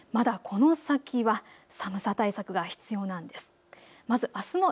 まだこの先は寒さ対策が必要なんです。